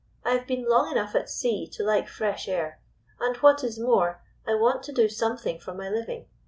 I have been long enough at sea to like fresh air. And, what is more, I want to do something for my living.